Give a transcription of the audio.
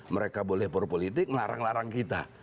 mereka boleh berpolitik melarang larang kita